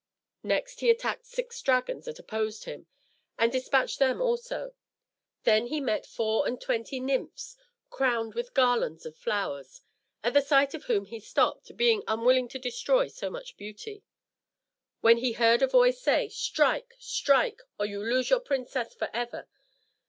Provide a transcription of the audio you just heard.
Next he attacked six dragons that opposed him, and despatched them also. Then he met four and twenty nymphs, crowned with garlands of flowers, at the sight of whom he stopped, being unwilling to destroy so much beauty; when he heard a voice say, "Strike! strike! or you lose your princess for ever!"